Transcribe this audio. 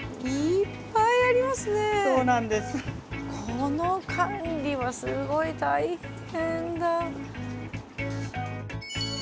この管理はすごい大変だ。